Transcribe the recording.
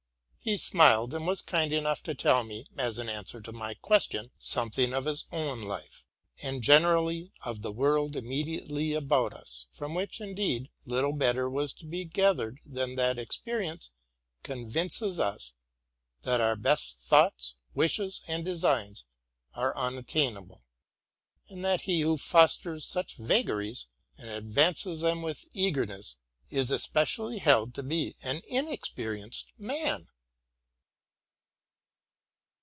He smiled, and was kind enough to tell me, as an answer to my question, something of his own life, and generally of the world immediately about us; from which, indeed, little better was to be gathered than that experience convinces us that our best thoughts, wishes, and designs are unattainable, and that he who fosters such vagaries, and advances them with eagerness, is especially held to be an inexperienced man.